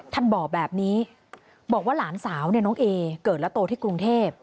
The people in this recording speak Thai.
ท่านบอกแบบนี้บอกว่าหลานสาวเนี่ยน้องเอเกิดและโตที่กรุงเทพ